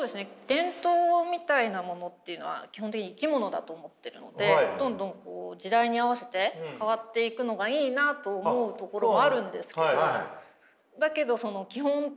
伝統みたいなものっていうのは基本的に生き物だと思ってるのでどんどん時代に合わせて変わっていくのがいいなと思うところもあるんですけど。